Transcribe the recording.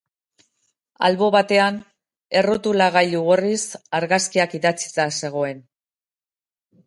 Albo batean, errotulagailu gorriz, Argazkiak idatzita zegoen.